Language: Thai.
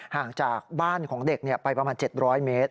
ห่างจากบ้านของเด็กไปประมาณ๗๐๐เมตร